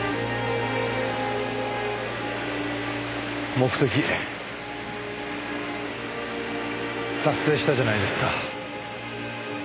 目的達成したじゃないですか。